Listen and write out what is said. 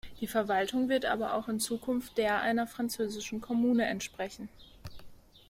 Die Verwaltung wird aber auch in Zukunft der einer französischen Kommune entsprechen.